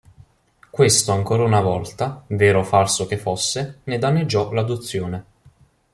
Questo ancora una volta, vero o falso che fosse, ne danneggiò l'adozione.